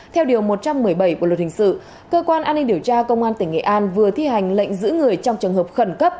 theo điều một trăm một mươi bảy bộ luật hình sự cơ quan an ninh điều tra công an tỉnh nghệ an vừa thi hành lệnh giữ người trong trường hợp khẩn cấp